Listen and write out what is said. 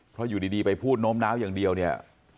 เพราะอยู่ดีไปพูดโน้มน้าวอย่างเดียวเนี่ย